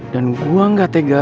dan gue gak tega